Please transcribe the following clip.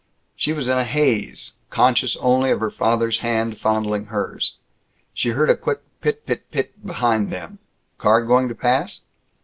She was in a haze, conscious only of her father's hand fondling hers. She heard a quick pit pit pit pit behind them. Car going to pass?